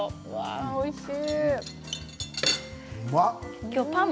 おいしい！